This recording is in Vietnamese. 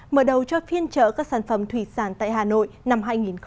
mở đầu cho phiên trở các sản phẩm thủy sản tại hà nội năm hai nghìn hai mươi